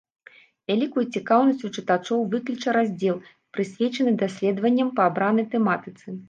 Вялікую цікаўнасць у чытачоў выкліча раздзел, прысвечаны даследаванням па абранай тэматыцы.